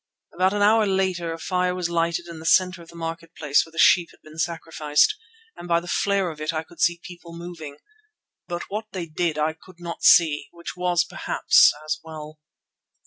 About an hour later a fire was lighted in the centre of the market place where the sheep had been sacrificed, and by the flare of it I could see people moving. But what they did I could not see, which was perhaps as well.